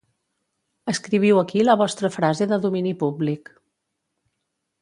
Escriviu aquí la vostra frase de domini públic